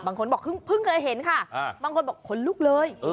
บางคนบอกเพิ่งเคยเห็นค่ะบางคนบอกขนลุกเลย